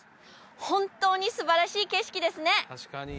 本当にすばらしい景色ですね